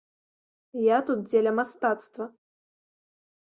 Я тут дзеля мастацтва.